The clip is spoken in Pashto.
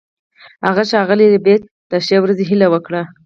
هغه ښاغلي ربیټ ته د ښې ورځې هیله وکړه